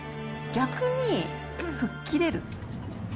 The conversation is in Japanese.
逆に、吹っ切れる。